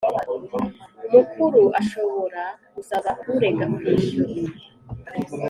Mukuru ashobora gusaba urega kwishyura